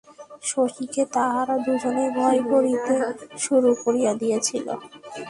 শশীকে তাহারা দুজনেই ভয় করিতে শুরু করিয়া দিয়াছিল।